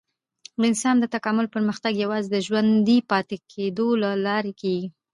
د انسان د تکامل پرمختګ یوازې د ژوندي پاتې کېدو له لارې کېږي.